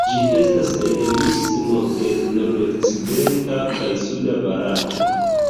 Ĝi estas endemismo de nordokcidenta kaj suda Barato.